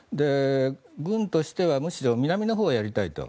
軍としてはむしろ南のほうをやりたいと。